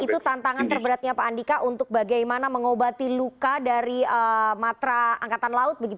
itu tantangan terberatnya pak andika untuk bagaimana mengobati luka dari matra angkatan laut